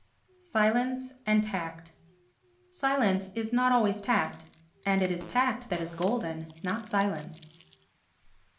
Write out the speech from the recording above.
Silence and Tact Silence is not always tact and it is tact that is golden, not silence.